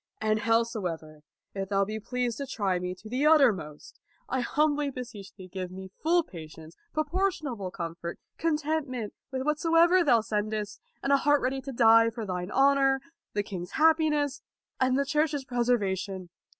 And howsoever, if thou be pleased to try me to the uttermost, I humbly beseech thee give me full patience, proportionable comfort, contentment with whatsoever thou sendest, and an heart ready to die for thine honor, the king's happiness, and the Church's preservation.